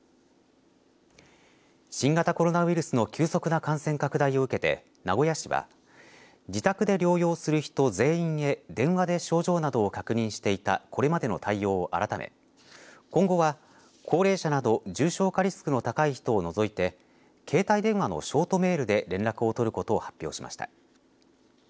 新型コロナウイルスの急速な感染拡大を受けて名古屋市は自宅で療養する人を全員へ電話で症状などを確認していたこれまでの対応を改め今後は、高齢者など重症化リスクの高い人を除いて携帯電話のショートメールで連絡を取ることを発表しました。